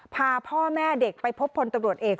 พาพ่อแม่เด็กไปพบพลตำรวจเอก